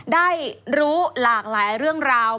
ได้รู้หลากหลายเรื่องราว